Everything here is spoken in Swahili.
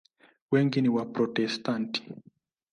Wengi ni Waprotestanti.